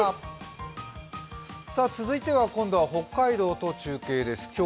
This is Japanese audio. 続いては今度は北海道と中継です。